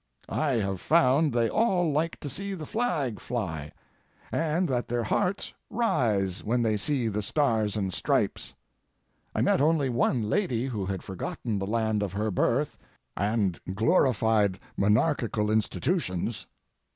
I have found they all like to see the Flag fly, and that their hearts rise when they see the Stars and Stripes. I met only one lady who had forgotten the land of her birth and glorified monarchical institutions.